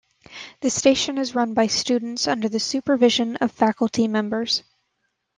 The station is run by students under the supervision of faculty members.